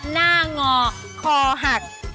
หน้างอคอหัก